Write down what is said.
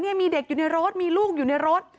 มีเด็กอยู่ในรถมีลูกอยู่ในรถ